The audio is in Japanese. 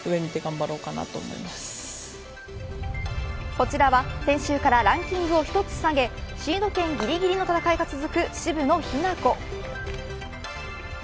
こちらは先週からランキングを１つ下げシード権ぎりぎりの戦いが続く渋野日向子。